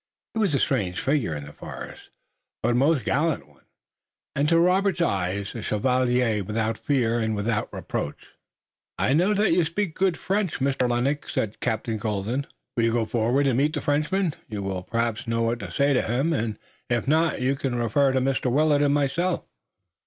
He was a strange figure in the forest, but a most gallant one, and to Robert's eyes a chevalier without fear and without reproach. "I know that you speak good French, Mr. Lennox," said Captain Colden. "Will you go forward and meet the Frenchman? You will perhaps know what to say to him, and, if not, you can refer to Mr. Willet and myself."